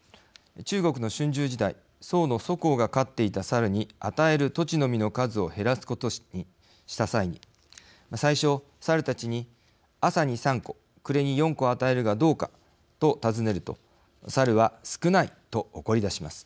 中国の春秋時代宋の狙公が飼っていた猿に与えるとちの実の数を減らすことにした際に最初、猿たちに「朝に３個、暮れに４個与えるがどうか」と尋ねると猿は、少ないと怒りだします。